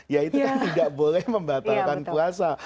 ya itu kan tidak boleh membatalkan puasa